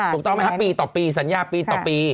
ถูกต้องไหมครับปีต่อปีสัญญาปีต่อปี